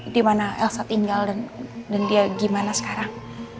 dimana elsa tinggal dan dia gimana sekarang